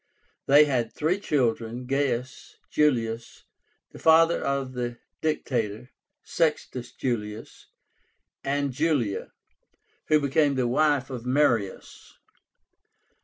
They had three children, Gaius Julius, the father of the Dictator, Sextus Julius, and Julia, who became the wife of Marius.